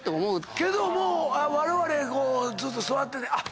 けどわれわれずっと座っててあっ！